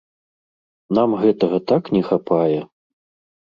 Нам гэтага так не хапае!